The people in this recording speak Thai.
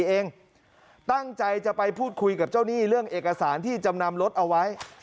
เองตั้งใจจะไปพูดคุยกับเจ้าหนี้เรื่องเอกสารที่จำนำรถเอาไว้